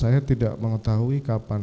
saya tidak mengetahui kapan